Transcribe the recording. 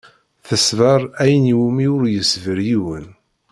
Teṣber ayen i wumi ur yeṣbir yiwen.